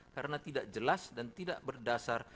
karena tidak jelas dan tidak berdasar